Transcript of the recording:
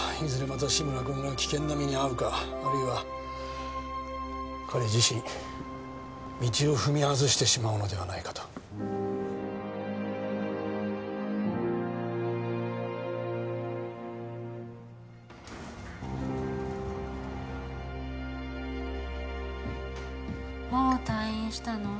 また志村君が危険な目に遭うかあるいは彼自身道を踏み外してしまうのではないかともう退院したの？